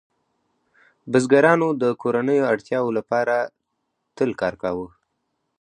بزګرانو د کورنیو اړتیاوو لپاره تل کار کاوه.